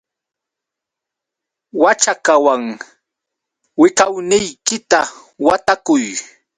Waćhakawan wiqawniykita watakuy.